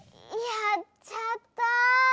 やっちゃった。